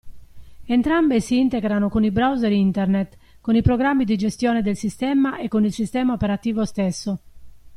Entrambe si integrano con i browser internet, con i programmi di gestione del sistema e con il sistema operativo stesso.